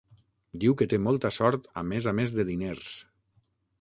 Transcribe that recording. Diu que té molta sort a més a més de diners.